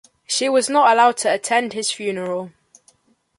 She was not allowed to attend his funeral.